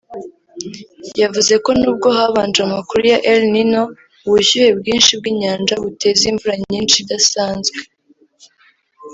yavuze ko nubwo habanje amakuru ya El Nino (ubushyuhe bwinshi bw’inyanja buteza imvura nyinshi idasanzwe)